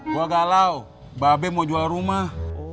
gue galau mbak abe mau jual rumah